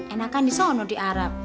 enak kan disana di arab